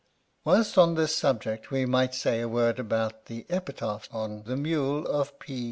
Whilst on this subject we might say a word about the epitaph on the mule of P.